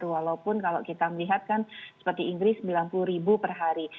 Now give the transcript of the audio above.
walaupun kalau kita melihat kan seperti inggris sembilan puluh ribu per hari